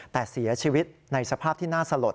แต่เสียชีวิตในสภาพที่น่าสลด